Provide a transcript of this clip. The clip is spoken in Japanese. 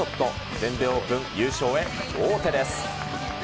全米オープン、優勝へ王手です。